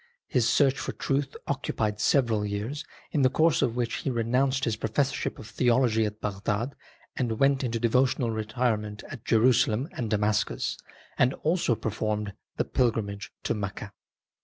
His search for truth occupied several years, in the course of which he renounced his professorship of theology at Bagdad and went into devotional retirement at Jerusalem and Damascus, and also performed the pilgrimage to Mecca.